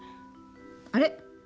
あれ？